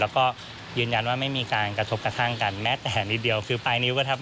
แล้วก็ยืนยันว่าไม่มีการกระทบกระทั่งกัน